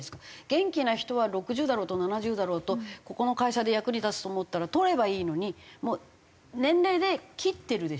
元気な人は６０だろうと７０だろうとここの会社で役に立つと思ったら採ればいいのにもう年齢で切ってるでしょ。